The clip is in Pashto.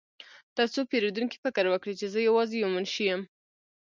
ترڅو پیرودونکي فکر وکړي چې زه یوازې یو منشي یم